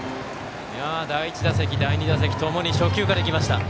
第１打席、第２打席ともに初球からいきました。